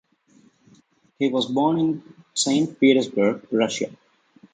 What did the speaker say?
He was born in Saint Petersburg, Russia.